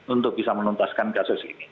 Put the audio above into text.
untuk bisa menuntaskan kasus ini